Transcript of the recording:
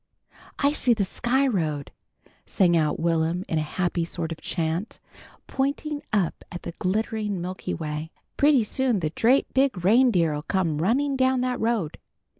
"I see the Sky Road!" sang out Will'm in a happy sort of chant, pointing up at the glittering milky way. "Pretty soon the drate big reindeer'll come running down that road!"